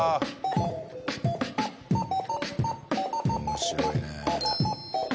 面白いね。